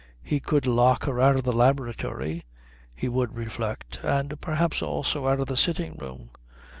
He could lock her out of the laboratory, he would reflect, and perhaps also out of the sitting room....